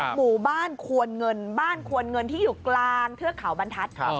หมู่บ้านควรเงินบ้านควรเงินที่อยู่กลางเทือกเขาบรรทัศน์